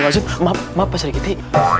eh pak srikiti maaf pak srikiti